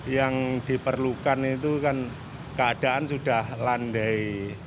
yang diperlukan itu kan keadaan sudah landai